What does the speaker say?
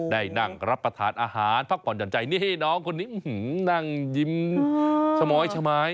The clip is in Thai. ได้นั่งรับประทานอาหารพรรณจันทร์ใจนี่น้องคนนี้อื้อหือนั่งยิ้มชะมอยชะมาย